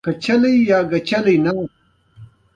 ایا ستاسو وینه به وچیږي؟